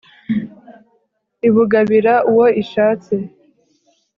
ibugabira uwo ishatse